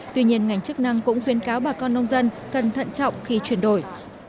tuy nhiên ngành chức năng cũng khuyến cáo bà con nông dân cần thận trọng khi chuyển đổi